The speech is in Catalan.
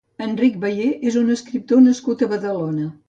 Enric Bayé és un escriptor nascut a Badalona.